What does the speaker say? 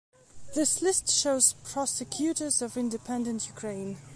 This list shows prosecutors of independent Ukraine.